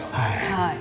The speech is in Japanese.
はい。